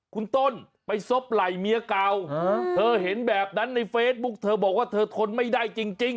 คุณต้นไปซบไหล่เมียเก่าเธอเห็นแบบนั้นในเฟซบุ๊กเธอบอกว่าเธอทนไม่ได้จริง